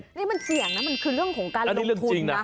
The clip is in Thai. นี่มันเสี่ยงนะมันคือเรื่องของการลงทุนนะ